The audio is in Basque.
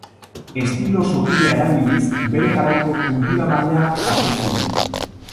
Estilo sotila erabiliz, bere garaiko kultura-maila jaso zuen.